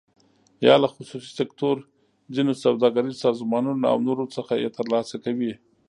یا له خصوصي سکتور، ځینو سوداګریزو سازمانونو او نورو څخه یې تر لاسه کوي.